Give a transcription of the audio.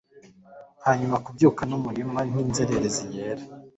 Hanyuma kubyuka, numurima, nkinzererezi yera